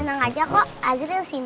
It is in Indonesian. gimana kalau aku mau pindah ke rumah kamu